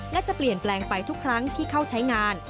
และจะเปลี่ยนแปลงไปทุกครั้งที่เข้าใช้งาน